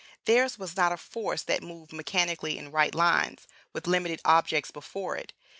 Theirs was not a force that moved mechanically in right lines, with limited objects before it.